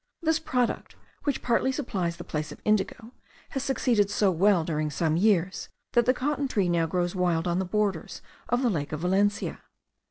This product, which partly supplies the place of indigo, has succeeded so well during some years, that the cotton tree now grows wild on the borders of the lake of Valencia.